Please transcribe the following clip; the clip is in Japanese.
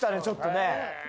ちょっとね